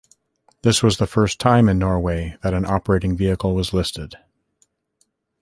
This was the first time in Norway that an operating vehicle was listed.